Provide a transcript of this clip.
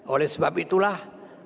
oleh sebab itulah